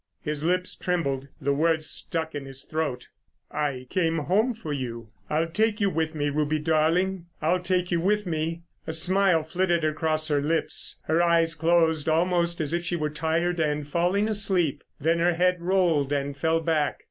His lips trembled. The words stuck in his throat, "I came home for you. I'll take you with me, Ruby darling.... I'll take you with me." A smile flitted across her lips. Her eyes closed—almost as if she were tired and falling asleep. Then her head rolled and fell back.